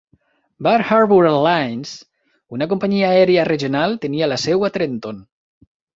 Bar Harbour Airlines, una companyia aèria regional, tenia la seu a Trenton.